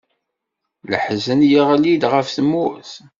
Laḥzen yeɣli-d ɣef tmurt.